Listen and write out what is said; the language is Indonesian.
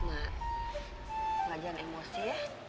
gak jangan emosi ya